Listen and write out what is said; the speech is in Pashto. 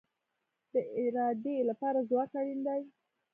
د ارادې لپاره ځواک اړین دی